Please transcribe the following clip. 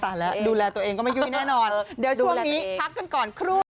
ดูแลตัวเองก็ไม่ยุ่ยแน่นอนเดี๋ยวช่วงนี้พักกันก่อนครู่